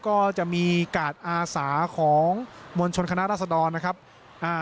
ก็จะมีกาดอาสาของมวลชนคณะรัศดรนะครับอ่า